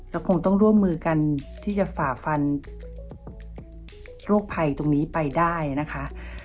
เราคงต้องร่วมมือกันที่จะฝ่าฟันโรคภัยตรงนี้ไปได้นะคะ